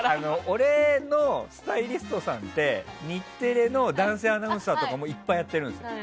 俺のスタイリストさんって日テレの男性アナウンサーとかもいっぱいやってるんですよ。